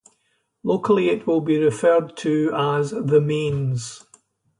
Locally, it will be referred to as "the mains".